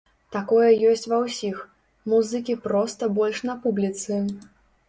Такое ёсць ва ўсіх, музыкі проста больш на публіцы.